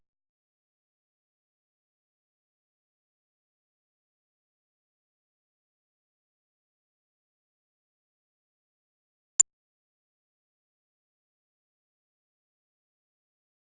โปรดติดตามต่อไป